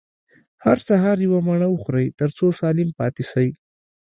هر سهار يوه مڼه وخورئ، تر څو سالم پاته سئ.